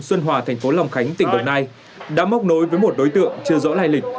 xuân hòa thành phố long khánh tỉnh đồng nai đã móc nối với một đối tượng chưa rõ lai lịch